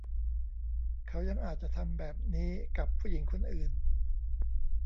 เขายังอาจจะทำแบบนี้กับผู้หญิงคนอื่น